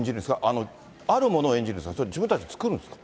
あの、あるものを演じるんですか、それとも、自分たちで作るんですか？